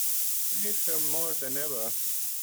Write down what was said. We need her more than ever